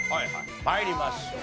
参りましょう。